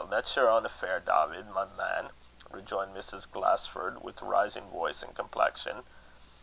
that's yer ain affair, Dawvid, my man," rejoined Mrs. Glasford, with rising voice and complexion.